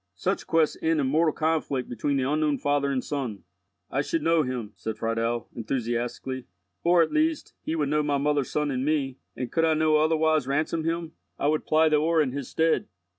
Such quests end in mortal conflict between the unknown father and son." "I should know him," said Friedel, enthusiastically, "or, at least, he would know my mother's son in me; and, could I no otherwise ransom him, I would ply the oar in his stead."